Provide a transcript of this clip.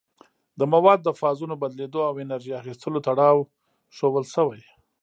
د موادو د فازونو بدلیدو او انرژي اخیستلو تړاو ښودل شوی.